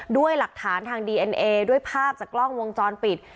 ด้วยหลักฐานทางดีเอ็นเอด้วยภาพจากกล้องวงจรปิด